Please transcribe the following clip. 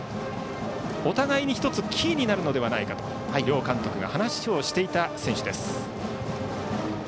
お互いに１つ、キーになるのではないかと両監督が話をしていた選手です。